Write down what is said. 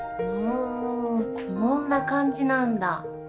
おこんな感じなんだ。